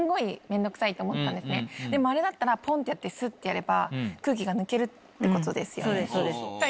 でもあれだったらポンってやってスッてやれば空気が抜けるってことですよね。